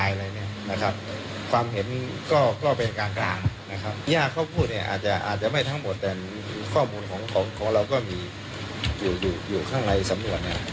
ยากเขาพูดเนี่ยอาจจะไม่ทั้งหมดแต่ข้อมูลของเราก็มีอยู่ข้างในสำหรับเนี่ย